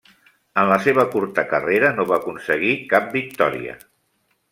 En la seva curta carrera no va aconseguir cap victòria.